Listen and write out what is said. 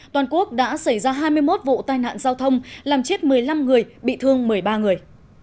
toàn quốc đã xảy ra hai mươi một vụ tai nạn giao thông làm chết một mươi năm người bị thương một mươi ba người